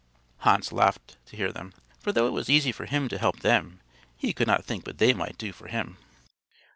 Hans laughed to hear them, for though it was easy for him to help them he could not think what they might do for him.